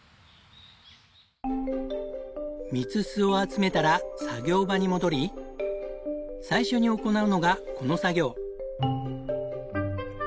蜜巣を集めたら作業場に戻り最初に行うのがこの作業。